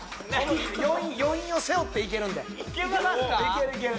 余韻を背負っていけるんでいけますか？